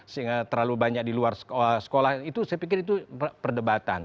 saya pikir itu perdebatan